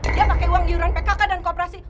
dia pake uang diurang phk dan kooperasi